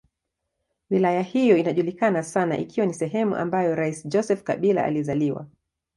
Wilaya hiyo inajulikana sana ikiwa ni sehemu ambayo rais Joseph Kabila alizaliwa.